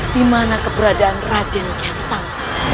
dimana keberadaan raden kukian santang